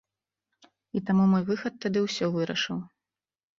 І таму мой выхад тады ўсё вырашыў.